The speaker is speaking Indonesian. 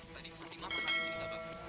tadi fatimah mah kali sini tak bang